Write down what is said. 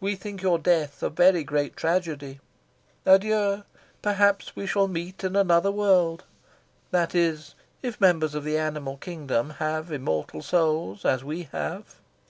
We think your death a very great tragedy. Adieu! Perhaps we shall meet in another world that is, if the members of the animal kingdom have immortal souls, as we have."